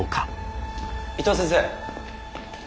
伊藤先生。